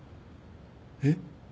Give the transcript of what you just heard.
えっ？